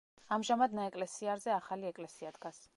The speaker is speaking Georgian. ამჟამად ნაეკლესიარზე ახალი ეკლესია დგას.